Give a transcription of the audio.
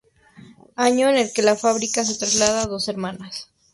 Año en el que la fábrica se traslada a Dos Hermanas.